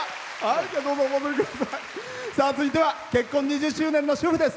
続いては結婚２０周年の主婦です。